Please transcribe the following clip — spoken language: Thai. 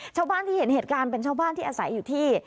ชาวบ้านที่เห็นเหตุการณ์เป็นชาวบ้านที่อาศัยอยู่ที่